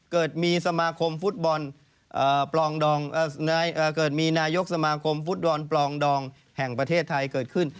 เกิดมีนายกสมาคมฟุตบอลปลองดองแห่งประเทศไทยเกิดขึ้น